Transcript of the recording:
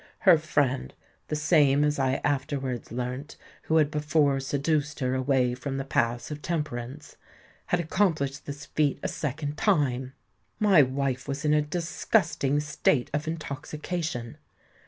Her friend—the same, as I afterwards learnt, who had before seduced her away from the paths of temperance—had accomplished this feat a second time. My wife was in a disgusting state of intoxication.